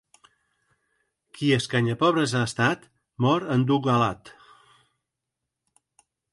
Qui escanyapobres ha estat, mor endogalat.